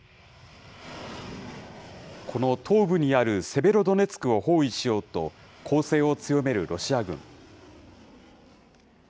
この東部にあるセベロドネツクを包囲しようと、攻勢を強めるロシア軍。